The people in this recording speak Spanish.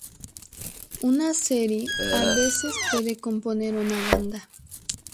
Una serie a veces puede componer una banda.